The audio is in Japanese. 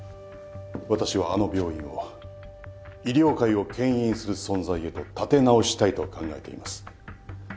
私はあの病院を医療界をけん引する存在へと立て直したいと考えています。